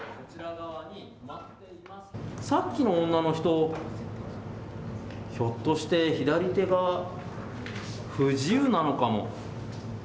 さっきの女の人、ひょっとして左手が不自由なのかも。